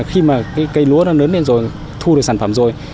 khi mà cái cây lúa nó lớn lên rồi thu được sản phẩm rồi